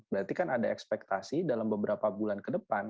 berarti kan ada ekspektasi dalam beberapa bulan ke depan